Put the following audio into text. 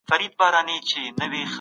پښتنو ولي بېرته کندهار ته سفر وکړ؟